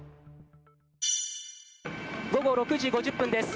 午後６時５０分です。